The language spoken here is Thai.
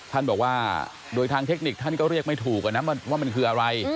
ท่านบอกว่าโดยทางเทคนิคท่านก็เรียกไม่ถูกนะว่ามันคืออะไร